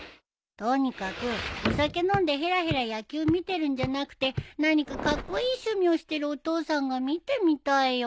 とにかくお酒飲んでへらへら野球見てるんじゃなくて何かカッコイイ趣味をしてるお父さんが見てみたいよ。